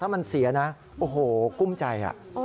ถ้ามันเสียนะโอ้โหกุ้มใจ